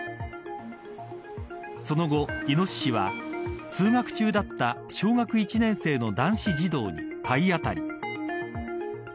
その後、イノシシは通学中だった小学１年生の男子児童に体当たり。